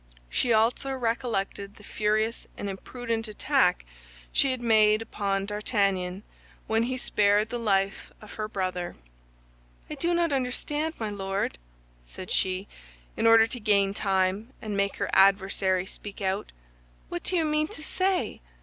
She also recollected the furious and imprudent attack she had made upon D'Artagnan when he spared the life of her brother. "I do not understand, my Lord," said she, in order to gain time and make her adversary speak out. "What do you mean to say?